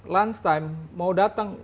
lunch time mau datang